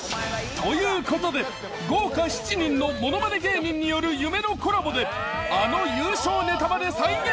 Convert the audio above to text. ということで豪華７人のものまね芸人による夢のコラボであの優勝ネタまで再現。